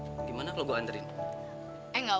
seangkan maka kita bunuh tidak ngertipu enggak ya